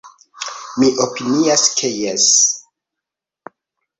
Mi opinias ke jes.